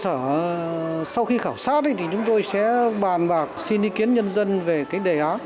sở sau khi khảo sát thì chúng tôi sẽ bàn bạc xin ý kiến nhân dân về cái đề án